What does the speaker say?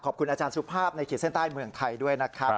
ขอบคุณอาจารย์สุภาพในขีดเส้นใต้เมืองไทยด้วยนะครับ